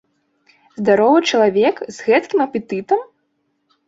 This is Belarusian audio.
Здаровы чалавек, з гэткім апетытам?